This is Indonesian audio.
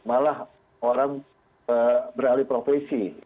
malah orang beralih profesi